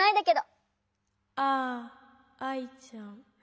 ああアイちゃん。